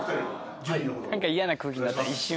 何か嫌な空気になった一瞬。